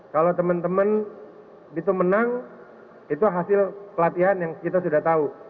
kalau teman teman itu menang itu hasil pelatihan yang kita sudah tahu